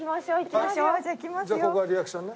じゃあここはリアクションね。